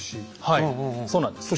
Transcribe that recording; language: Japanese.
はいそうなんです。